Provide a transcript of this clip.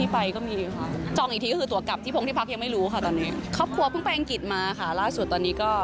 พวกหนูไปไหนพวกหนูไม่เคยมีแพลน